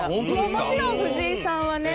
もちろん、藤井さんはね